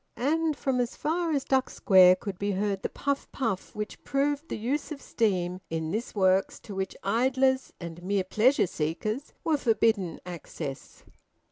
And from as far as Duck Square could be heard the puff puff which proved the use of steam in this works to which idlers and mere pleasure seekers were forbidden access.